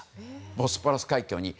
ボスポラス海峡に。